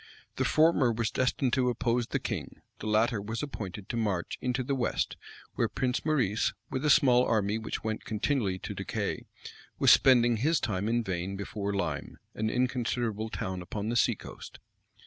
The former was destined to oppose the king: the latter was appointed to march into the west, where Prince Maurice, with a small army which went continually to decay, was spending his time in vain before Lyme, an inconsiderable town upon the sea coast.